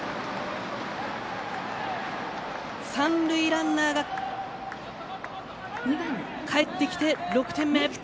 三塁ランナーがかえってきて６点目。